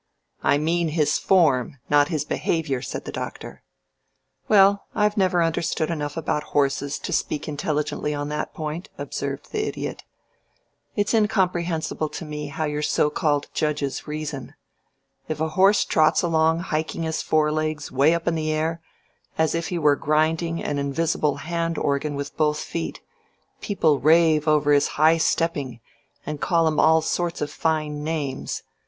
"I mean his form not his behavior," said the Doctor. "Well, I've never understood enough about horses to speak intelligently on that point," observed the Idiot. "It's incomprehensible to me how your so called judges reason. If a horse trots along hiking his fore legs 'way up in the air as if he were grinding an invisible hand organ with both feet, people rave over his high stepping and call him all sorts of fine names.